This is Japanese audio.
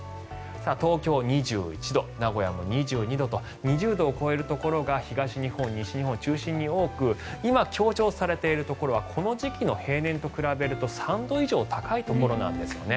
東京、２１度名古屋も２２度と２０度を超えるところが東日本、西日本中心に多く今、強調されているところはこの時期の平年と比べると３度以上高いところなんですよね。